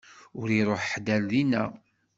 Ur iṛuḥ ḥedd ar dina.